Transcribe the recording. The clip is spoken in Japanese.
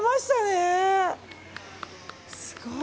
すごい。